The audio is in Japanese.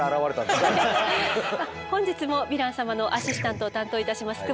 本日もヴィラン様のアシスタントを担当いたします久保田です。